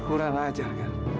udah lajar kan